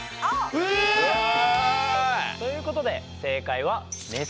え！ということで正解はえ！